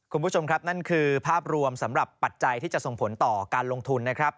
คุณผู้ชมครับนั่นคือภาพรวมสำหรับปัจจัยที่จะส่งผลต่อการลงทุนนะครับ